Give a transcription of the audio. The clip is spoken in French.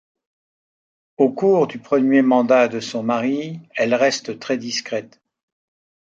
Au cours du premier mandat de son mari, elle reste très discrète.